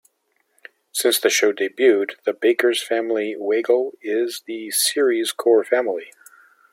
Since the show debuted the baker's family Weigel is the series core family.